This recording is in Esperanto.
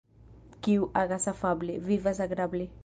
Kiu agas afable, vivas agrable.